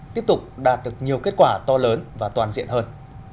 tiếp tục đạt được nhiều kết quả to lớn và toàn diện hơn